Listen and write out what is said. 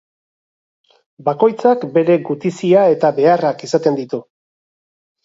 Bakoitzak bere gutizia eta beharrak izaten ditu.